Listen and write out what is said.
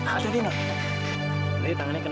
aduh dino tadi tangannya kena